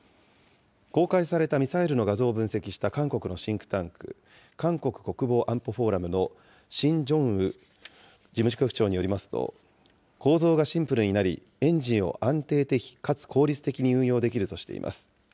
公開されたミサイルの画像を分析した韓国のシンクタンク、韓国国防安保フォーラムの、シン・ジョンウ事務局長によりますと、構造がシンプルになり、エンジンを安定的、かつ効率的に運用できるとしています。